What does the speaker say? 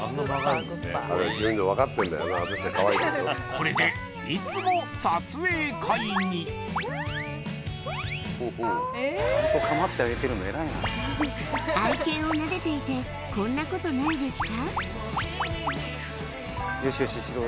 これでいつも撮影会に愛犬をなでていてこんなことないですか？